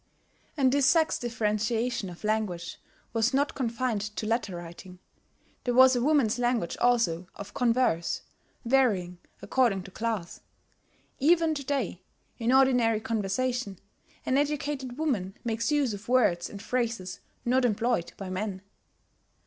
And this sex differentiation of language was not confined to letter writing: there was a woman's language also of converse, varying according to class. Even to day, in ordinary conversation, an educated woman makes use of words and phrases not employed by men.